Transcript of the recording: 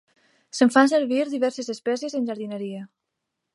Se'n fan servir diverses espècies en jardineria.